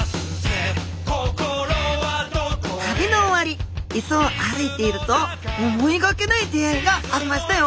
旅の終わりいそを歩いていると思いがけない出会いがありましたよ